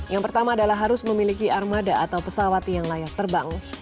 yang pertama adalah harus memiliki armada atau pesawat yang layak terbang